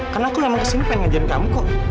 karena aku memang kesini pengen ngajarin kamu kok